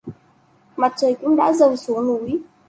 Mặt trời cũng đã dẫn xuống núi